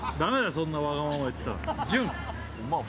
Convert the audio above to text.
そんなわがまま言ってたら。